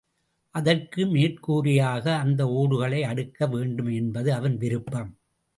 அதற்கு மேற்கூரையாக அந்த ஓடுகளை அடுக்க வேண்டும் என்பது அவன் விருப்பம்.